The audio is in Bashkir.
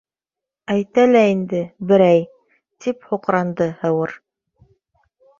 —Әйтә лә инде —«берәй»! —тип һуҡранды Һыуыр.